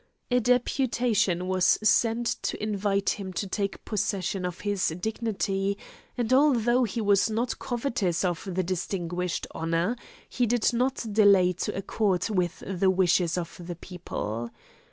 A deputation was sent to invite him to take possession of his dignity, and although he was not covetous of the distinguished honour, he did not delay to accord with the wishes of the people.